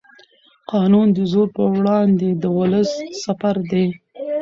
قانون د زور پر وړاندې د ولس سپر دی